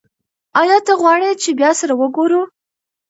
ایا ته غواړې چې بیا سره وګورو؟